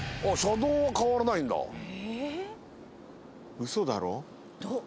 「ウソだろ」